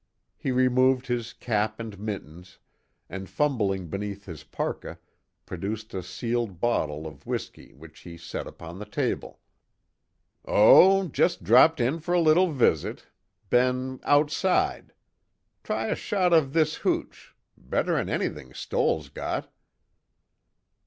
He removed his cap and mittens, and fumbling beneath his parka, produced a sealed bottle of whiskey which he set upon the table: "Oh, jest dropped in fer a little visit. Been 'outside.' Try a shot of this hooch better'n anything Stoell's got."